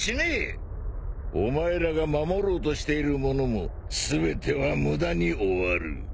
お前らが守ろうとしているものも全ては無駄に終わる。